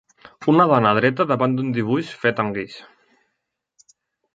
Una dona dreta davant d'un dibuix fet amb guix